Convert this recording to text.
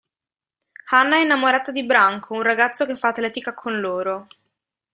Hanna è innamorata di Branko, un ragazzo che fa atletica con loro.